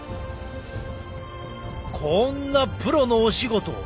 こんなプロのお仕事。